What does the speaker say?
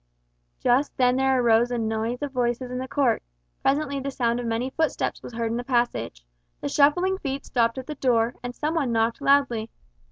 Just then there arose a noise of voices in the court. Presently the sound of many footsteps was heard in the passage. The shuffling feet stopped at the door, and some one knocked loudly.